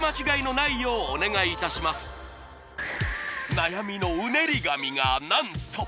悩みのうねり髪が何と！